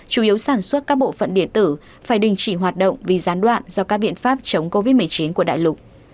chủ yếu sản xuất các bộ phận điện tử phải đình chỉ hoạt động vì gián đoạn do các biện pháp chống covid một mươi chín của đại lục